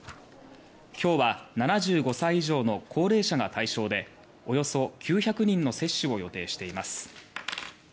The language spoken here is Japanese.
きょうは７５歳以上の高齢者が対象でおよそ９００人の接種を予定しています。